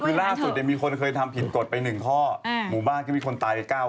คือล่าสุดเนี่ยมีคนเคยทำผิดกฎไป๑ข้อหมู่บ้านก็มีคนตายไป๙๐